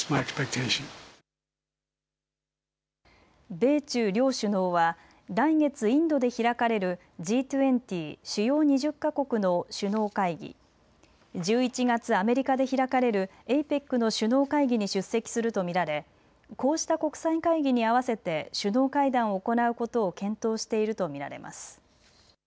米中両首脳は来月、インドで開かれるＧ２０・主要２０か国の首脳会議、１１月、アメリカで開かれるＡＰＥＣの首脳会議に出席すると見られこうした国際会議に合わせて首脳会談を行うことを検討していると見られます。